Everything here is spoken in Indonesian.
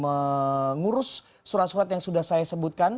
mengurus surat surat yang sudah saya sebutkan